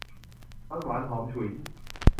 มันหวานหอมฉุย